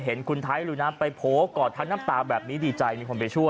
เห็นคุณไทัยรุณามไปโผล่กอดทั้งน้ำตาแบบนี้ดีใจ